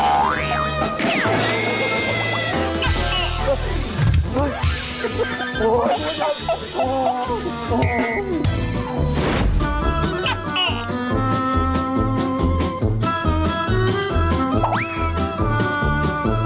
โอ้โฮ